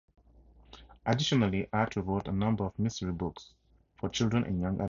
Additionally, Arthur wrote a number of mystery books for children and young adults.